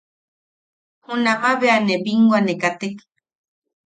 Junama bea ne binwa ne katek.